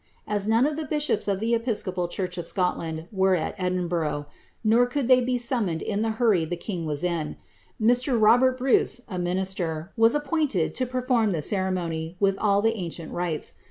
As none of the bishops of the episcopal church of Scotland were al Edinburgh, (nor could ihey be summoned in the hurrv the king was in>) Jlr. Robert Bruce, a minister, was appointed to per form ihc ceremony, with all the ancient riles.